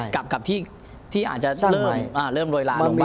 กับที่อาจจะเริ่มโรยลาลงไป